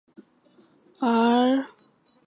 她也是维多利亚的秘密的专属模特儿。